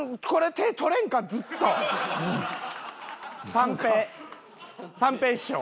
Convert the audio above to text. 三平三平師匠。